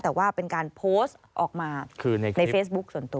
แต่ว่าเป็นการโพสต์ออกมาคือในเฟซบุ๊คส่วนตัว